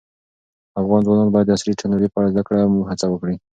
افغان ځوانان باید د عصري ټیکنالوژۍ په زده کړه کې هڅه وکړي.